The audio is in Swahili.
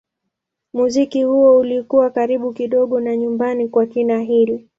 Muziki huo ulikuwa karibu kidogo na nyumbani kwa kina Hill.